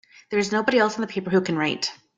There's nobody else on the paper who can write!